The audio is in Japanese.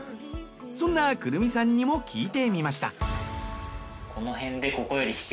そんな胡桃さんにも聞いてみました。